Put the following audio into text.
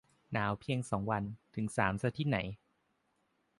หนาวเพียงสองวัน ถึงสามซะที่ไหน